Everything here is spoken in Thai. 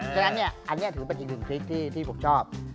ฉะนั้นเนี่ยอันนี้ถือเป็นอย่างหนึ่งทิศที่ผมชอบ